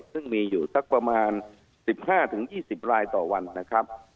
ซึ่งมีอยู่สักประมาณ๑๕๒๐รายต่อวันนะครับ